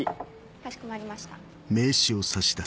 かしこまりました。